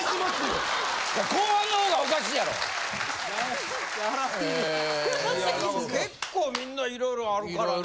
いや結構みんないろいろあるからね。